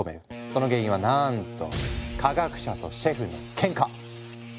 その原因はなんと科学者とシェフのケンカ。